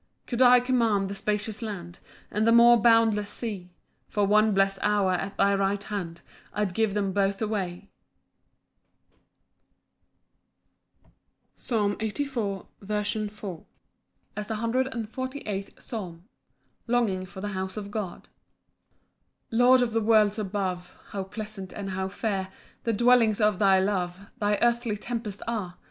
9 Could I command the spacious land, And the more boundless sea, For one blest hour at thy right hand I'd give them both away. Psalm 84:4. As the 148th Psalm. Longing for the house of God. 1 Lord of the worlds above, How pleasant and how fair The dwellings of thy love, Thy earthly temples are!